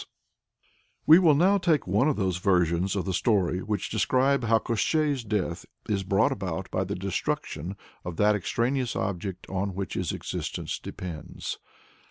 ] We will now take one of those versions of the story which describe how Koshchei's death is brought about by the destruction of that extraneous object on which his existence depends.